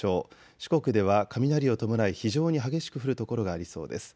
四国では雷を伴い非常に激しく降る所がありそうです。